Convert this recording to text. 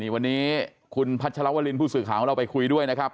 วันนี้คุณพัชรวรินผู้สื่อข่าวของเราไปคุยด้วยนะครับ